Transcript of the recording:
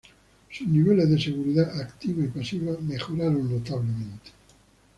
Sus niveles de seguridad activa y pasiva mejoraron notablemente.